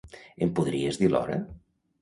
Em podries dir l'hora?